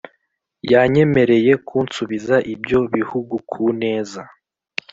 yanyemereye kunsubiza ibyo bihugu ku neza